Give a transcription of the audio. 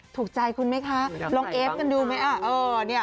ถูกใจคุณไหมคะลองเอฟกันดูไหม